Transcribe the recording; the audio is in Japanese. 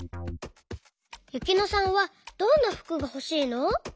ゆきのさんはどんなふくがほしいの？